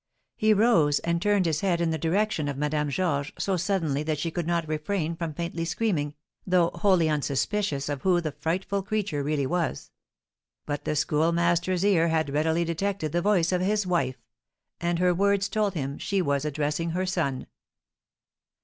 He rose and turned his head in the direction of Madame Georges so suddenly that she could not refrain from faintly screaming, though wholly unsuspicious of who the frightful creature really was; but the Schoolmaster's ear had readily detected the voice of his wife, and her words told him she was addressing her son.